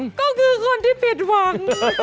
ก็คือคนที่ผิดหวัง